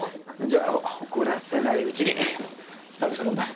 じゃあ怒らせないうちに支度するんだ。